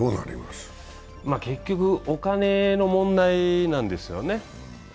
結局、お金の問題なんですよね。